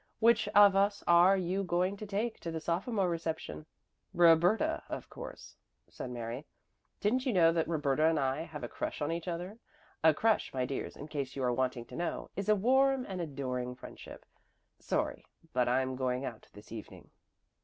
Which of us are you going to take to the sophomore reception?" "Roberta, of course," said Mary. "Didn't you know that Roberta and I have a crush on each other? A crush, my dears, in case you are wanting to know, is a warm and adoring friendship. Sorry, but I'm going out this evening."